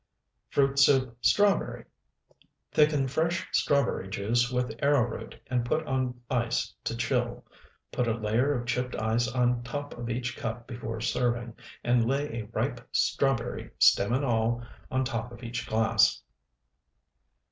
FRUIT SOUP (STRAWBERRY) Thicken fresh strawberry juice with arrowroot and put on ice to chill; put a layer of chipped ice on top of each cup before serving, and lay a ripe strawberry, stem and all, on top of each glass.